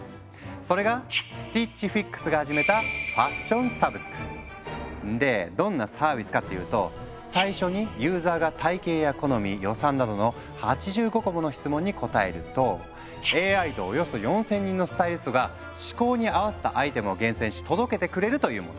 それがスティッチ・フィックスが始めたでどんなサービスかっていうと最初にユーザーが体型や好み予算などの８５個もの質問に答えるとＡＩとおよそ４，０００人のスタイリストが嗜好に合わせたアイテムを厳選し届けてくれるというもの。